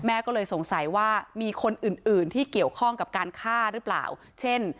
ก็เลยสงสัยว่ามีคนอื่นอื่นที่เกี่ยวข้องกับการฆ่าหรือเปล่าเช่น